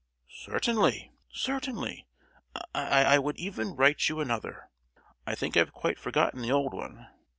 "Certainly, certainly. I—I would even write you another. I think I've quite forgotten the old one.